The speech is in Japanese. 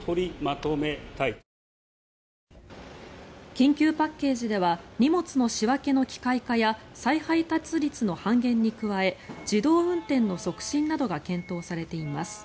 緊急パッケージでは荷物の仕分けの機械化や再配達率の半減に加え自動運転の促進などが検討されています。